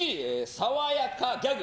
さわやかギャグ。